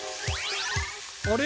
あれ？